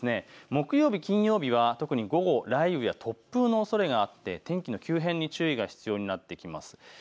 木曜日、金曜日は特に午後、雷雨や突風のおそれがあって天気の急変に注意が必要になってきます。